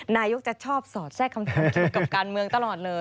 นายกจะชอบสอดแทรกคำถามเกี่ยวกับการเมืองตลอดเลย